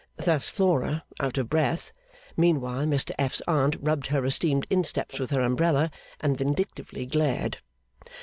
Thus, Flora, out of breath. Meanwhile, Mr F.'s Aunt rubbed her esteemed insteps with her umbrella, and vindictively glared.